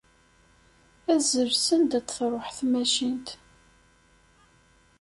Azzel send ad truḥ tmacint